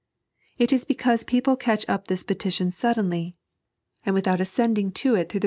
It is because people catch up this petition suddenly, and without ascending to it through the 3.